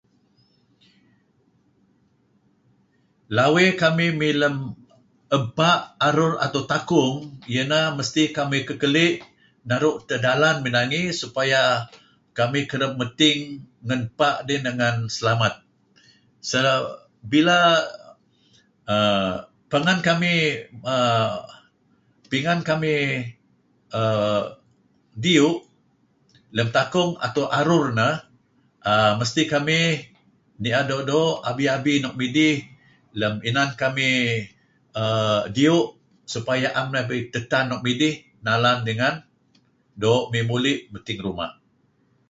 Lawey kamih mey lem ebpa', arur atau takung iyeh neh mesti kamih kekeli' naru' edteh dalan mey nangey supaya kamih kereb medting ngen ebpa' dih dengan selamat. Cara bila err pingan kamih err pingan kamih err diyu' lem takung atau arur neh mesti kamih ni'er doo'-doo' abi-abi nuk midih nuk inan kamih err diyu' supaya narih na'em tedtan nuk midih dalan dengan doo' mey muli' medting ruma'.